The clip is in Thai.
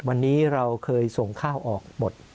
วันนี้เราเคยส่งข้าวออกหมด